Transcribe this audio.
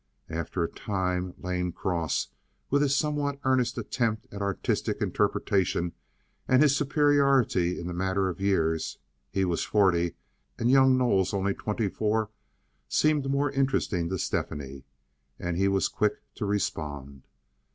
After a time Lane Cross, with his somewhat earnest attempt at artistic interpretation and his superiority in the matter of years—he was forty, and young Knowles only twenty four—seemed more interesting to Stephanie, and he was quick to respond.